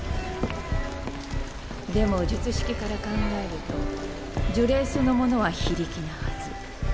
でも術式から考えると呪霊そのものは非力なはず。